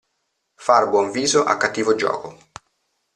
Far buon viso a cattivo gioco.